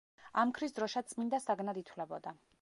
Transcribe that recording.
ამქრის დროშა წმინდა საგნად ითვლებოდა.